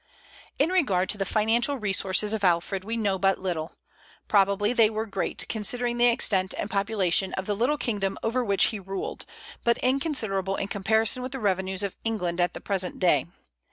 In regard to the financial resources of Alfred we know but little. Probably they were great, considering the extent and population of the little kingdom over which he ruled, but inconsiderable in comparison with the revenues of England at the present day.